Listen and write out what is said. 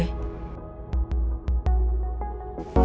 ibu bisa denger suara hati aku